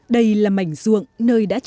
đây là mảnh ruộng nơi đã trồng bà con